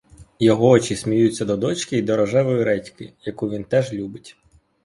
Його очі сміються до дочки й до рожевої редьки, яку він теж любить.